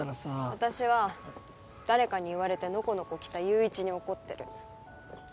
私は誰かに言われてノコノコ来た友一に怒ってる。